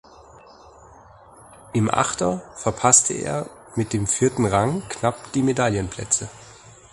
Im Achter verpasste er mit dem vierten Rang knapp die Medaillenplätze.